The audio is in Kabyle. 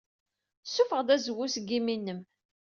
Ssuffeɣ-d azwu seg yimi-nnem.